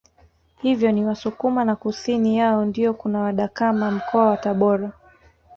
Hivyo ni Wasukuma na kusini yao ndio kuna wadakama Mkoa wa Tabora